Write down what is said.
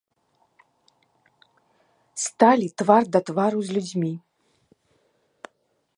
Сталі твар да твару з людзьмі.